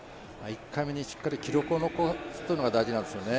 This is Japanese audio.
１回目にしっかり記録を残すというのが大事なんですよね。